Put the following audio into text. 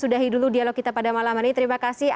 sudahi dulu dialog kita pada malam hari ini terima kasih